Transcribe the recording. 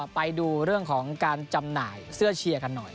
ไปดูเรื่องของการจำหน่ายเสื้อเชียร์กันหน่อย